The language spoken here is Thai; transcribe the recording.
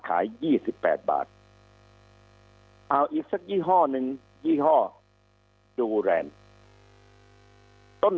ขาย๒๘บาทเอาอีกสักยี่ห้อหนึ่งยี่ห้อดูแรงต้น